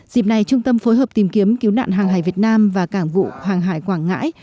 dịp này trung tâm phối hợp tìm kiếm cứu nạn hàng hải việt nam và cảng vụ hoàng hải quảng ngãi